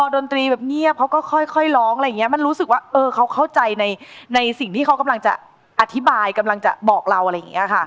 ดนตรีแบบเงียบเขาก็ค่อยร้องอะไรอย่างเงี้มันรู้สึกว่าเออเขาเข้าใจในสิ่งที่เขากำลังจะอธิบายกำลังจะบอกเราอะไรอย่างเงี้ยค่ะ